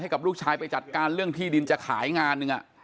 กับลูกชายไปจัดการเรื่องที่ดินจะขายงานหนึ่ง